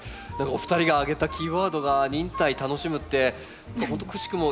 お二人が挙げたキーワードが「忍耐」「楽しむ」ってくしくも